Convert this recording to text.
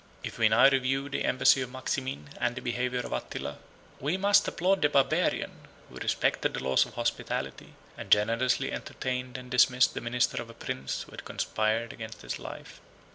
If we now review the embassy of Maximin, and the behavior of Attila, we must applaud the Barbarian, who respected the laws of hospitality, and generously entertained and dismissed the minister of a prince who had conspired against his life.